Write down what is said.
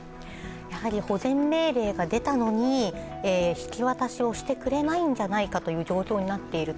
やはり保全命令が出たのに引き渡しをしてくれないんじゃないかという状況になっていると。